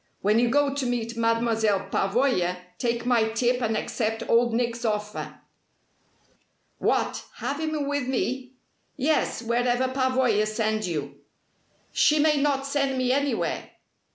When you go to meet Mademoiselle Pavoya take my tip and accept Old Nick's offer." "What, have him with me?" "Yes, wherever Pavoya sends you." "She may not send me anywhere."